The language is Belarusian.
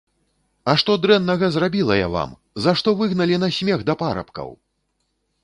А што дрэннага зрабіла я вам, за што выгналі на смех да парабкаў!